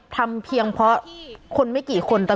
ทำเพียงเพราะคนไม่กี่คน